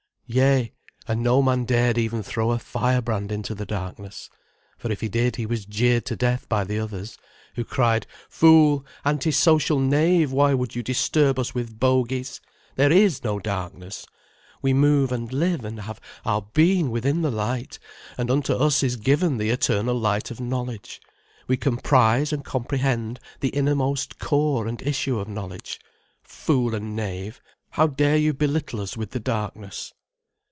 Yea, and no man dared even throw a firebrand into the darkness. For if he did he was jeered to death by the others, who cried "Fool, anti social knave, why would you disturb us with bogeys? There is no darkness. We move and live and have our being within the light, and unto us is given the eternal light of knowledge, we comprise and comprehend the innermost core and issue of knowledge. Fool and knave, how dare you belittle us with the darkness?"